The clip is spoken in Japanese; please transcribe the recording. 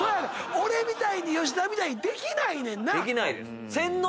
俺みたいに吉田みたいにできないねんな。